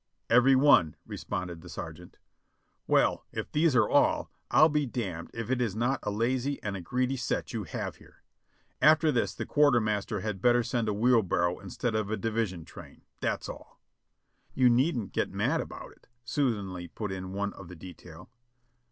"Every one." responded the sergeant. "Well! if these are all, I'll be d if it is not a lazv and a ON the; fishing shore 525 greedy set 3^011 liave here! After this, the quartermaster had better send a wheelbarrow instead of a division train. That's all!" "You needn't get mad about it!" soothingly put in one of the detail.